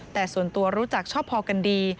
แต่ส่วนตัวรู้จักชอบพอกันดี